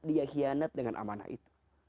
dia hianat dengan amanah itu